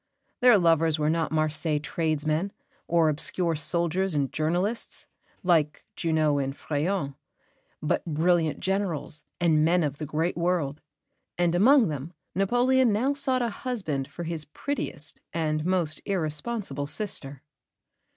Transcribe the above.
Their lovers were not Marseilles tradesmen or obscure soldiers and journalists (like Junot and Frèron), but brilliant Generals and men of the great world; and among them Napoleon now sought a husband for his prettiest and most irresponsible sister.